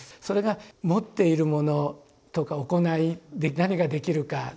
それが持っているものとか行いで何ができるか。